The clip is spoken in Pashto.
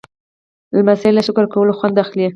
لمسی له شکر کولو خوند اخلي.